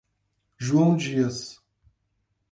João Dias